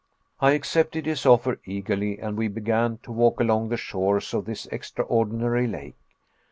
I accepted his offer eagerly, and we began to walk along the shores of this extraordinary lake.